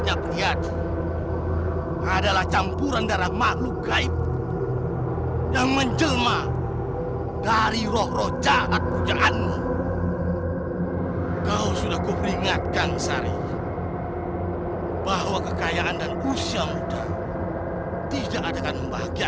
ya allah ampunilah hambamu yang hina ini